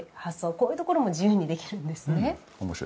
こういうところも自由にできるんですね。